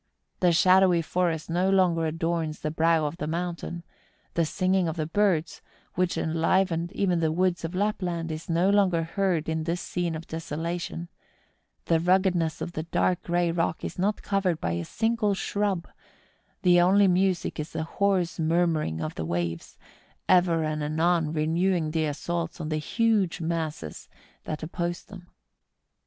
The shadowy forest no longer adorns the brow of the mountain ; the singing of the birds, which enlivened even the woods of Lapland, is no longer heard in this scene of desola¬ tion; the ruggedness of the dark grey rock is not covered by a single shrub ; the only music is the hoarse murmuring of the waves, ever and anon re¬ newing the assaults on the huge masses that oppose them.